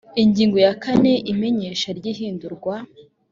ingingo ya kane imenyesha ry ihindurwa